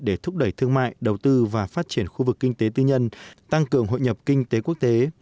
để thúc đẩy thương mại đầu tư và phát triển khu vực kinh tế tư nhân tăng cường hội nhập kinh tế quốc tế